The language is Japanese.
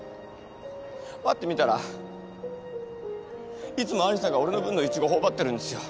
ぱって見たらいつも有沙が俺の分のイチゴ頬張ってるんですよ。